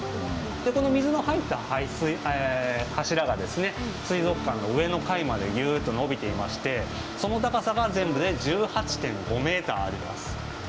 この水の入った柱がですね水族館の上の階までギュッと伸びていましてその高さが全部で１８．５ｍあります。